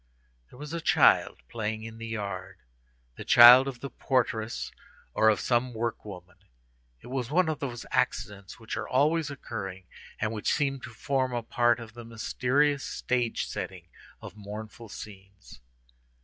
There was a child playing in the yard—the child of the portress or of some work woman. It was one of those accidents which are always occurring, and which seem to form a part of the mysterious stage setting of mournful scenes.